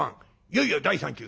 いよいよ第３球。